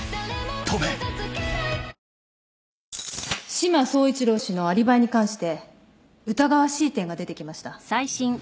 志摩総一郎氏のアリバイに関して疑わしい点が出てきました。